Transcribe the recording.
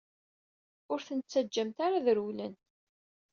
Ur ten-ttaǧǧamt ara ad rewlen!